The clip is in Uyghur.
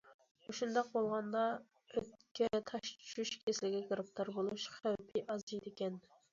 مۇشۇنداق بولغاندا ئۆتكە تاش چۈشۈش كېسىلىگە گىرىپتار بولۇش خەۋپى ئازىيىدىكەن.